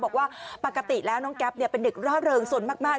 บอกว่าปกติแล้วน้องแก๊ปเป็นเด็กร่าเริงสนมาก